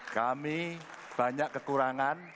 kami banyak kekurangan